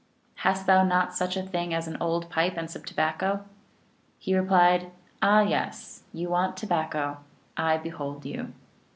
(P.). "Hast thou not such a thing as an old pipe and some tobacco?" He replied, " Ah yes. You want tobacco, I behold you."